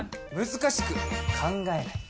難しく考えない。